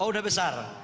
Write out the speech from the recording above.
oh udah besar